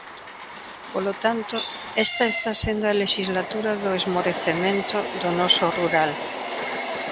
Polo tanto, esta está sendo a lexislatura do esmorecemento do noso rural.